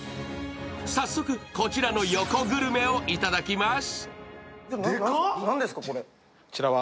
早速、こちらの横グルメをいただきます。